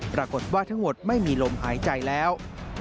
ปรากฏว่าทั้งหมดไม่มีลมหายใจแล้ว